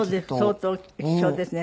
相当貴重ですね。